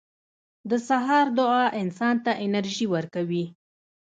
• د سهار دعا انسان ته انرژي ورکوي.